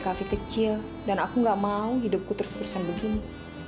kaki kecil dan aku gak mau hidupku terus terusan begini